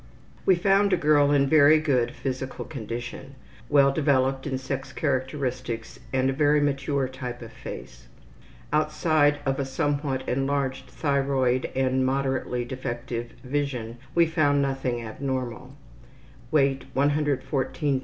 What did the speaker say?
We found a girl in very good general physical condition. Well developed in sex characteristics and a very mature type of face. Outside of a somewhat enlarged thyroid and moderately defective vision, we found nothing abnormal. Weight 114 lbs.